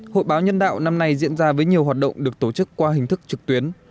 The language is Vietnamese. hội báo nhân đạo năm nay diễn ra với nhiều hoạt động được tổ chức qua hình thức trực tuyến